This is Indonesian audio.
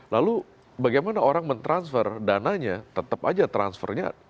lalu bagaimana orang mentransfer dananya tetap aja transfernya